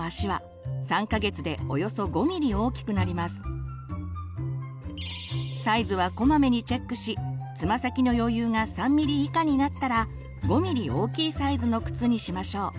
一般的にサイズはこまめにチェックしつま先の余裕が３ｍｍ以下になったら５ｍｍ大きいサイズの靴にしましょう。